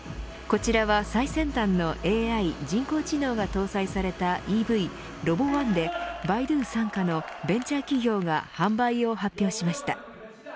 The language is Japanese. こちらは最先端のＡＩ人工知能が搭載されたＥＶＲＯＢＯ‐０１で百度傘下のベンチャー企業が販売を発表しました。